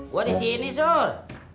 gue disini sur